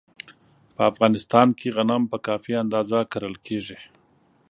په افغانستان کې غنم په کافي اندازه کرل کېږي.